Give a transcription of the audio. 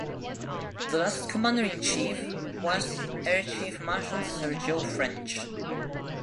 The last Commander-in-Chief was Air Chief Marshal Sir Joe French.